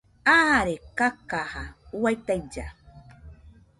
Aare kakaja juaɨ tailla